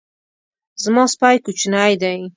زما سپی کوچنی دی